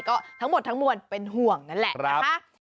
ก็ทั้งหมดทั้งมวลเป็นห่วงนั่นแหละนะคะ